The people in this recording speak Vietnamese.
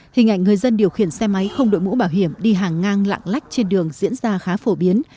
hình ảnh người dân điều khiển xe máy không đội mũ bảo hiểm đi hàng ngang lạng lách trên đường diễn ra khá phổ biến